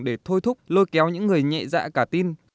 để thôi thúc lôi kéo những người nhẹ dạ cả tin